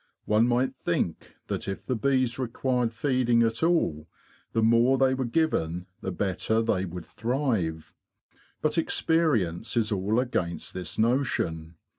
One might think that if the bees required feeding at all, the more they were given the better they would thrive. But experience is all against this notion.